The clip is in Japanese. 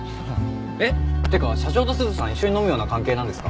えっ？ってか社長と鈴さん一緒に飲むような関係なんですか？